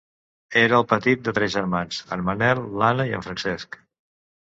Era el petit de tres germans: en Manel, l'Anna i el Francesc.